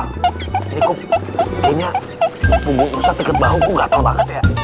ustadz ini kok kayaknya punggung ustadz ikut bau kok gatel banget ya